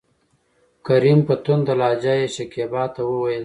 کريم : په تنده لهجه يې شکيبا ته وويل: